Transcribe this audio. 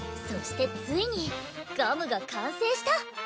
そしてついにガムが完成した。